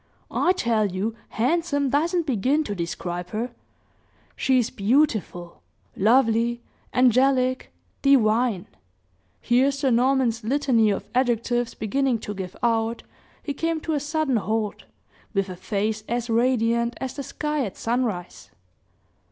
"I tell you handsome doesn't begin to describe her! She is beautiful, lovely, angelic, divine " Here Sir Norman's litany of adjectives beginning to give out, he came to a sudden halt, with a face as radiant as the sky at sunrise.